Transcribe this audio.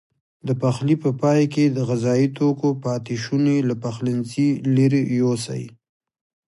د پخلي په پای کې د غذايي توکو پاتې شونې له پخلنځي لیرې یوسئ.